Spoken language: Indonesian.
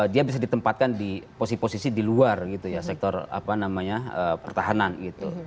dia bisa ditempatkan di posisi posisi di luar gitu ya sektor apa namanya pertahanan gitu